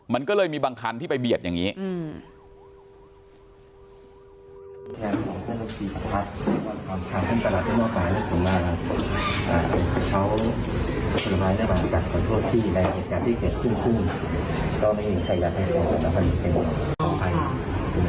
มันก็เลยมีบางคันที่ไปเบียดอย่างนี้